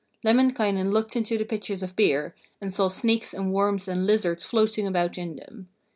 Lemminkainen looked into the pitchers of beer, and saw snakes and worms and lizards floating about in them.